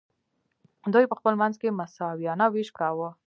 دوی په خپل منځ کې مساویانه ویش کاوه.